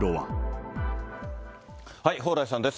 蓬莱さんです。